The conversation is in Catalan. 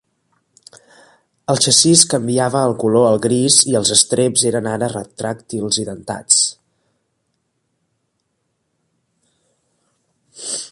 El xassís canviava el color al gris i els estreps eren ara retràctils i dentats.